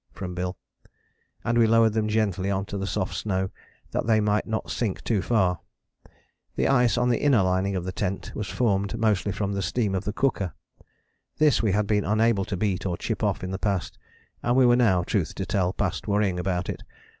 from Bill; and we lowered them gently on to the soft snow, that they might not sink too far. The ice on the inner lining of the tent was formed mostly from the steam of the cooker. This we had been unable to beat or chip off in the past, and we were now, truth to tell, past worrying about it.